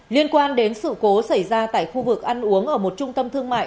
liên quan đến sự cố xảy ra tại khu vực ăn uống ở một trung tâm thương mại